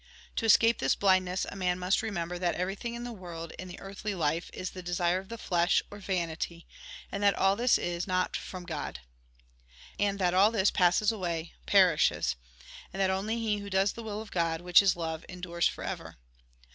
To escape this blindness, a man must remember that everything in the world, in the earthly life, is the desire of the flesh, or vanity, and that all this is not from God. And that all this passes away, perishes. And that only he who does the will of God, which is love, endures for ever.